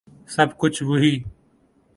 سَب کُچھ وہی